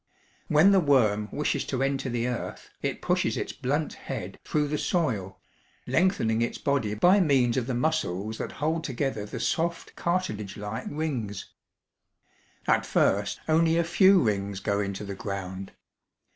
"When the worm wishes to enter the earth, it pushes its blunt head through the soil, lengthening its body by means of the muscles that hold together the soft, cartilage like rings. At first only a few rings go into the ground.